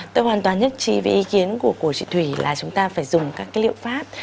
tôi hoàn toàn nhất trí với ý kiến của chị thủy là chúng ta phải dùng các cái liệu pháp